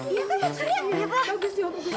iya pak bagus ya bagus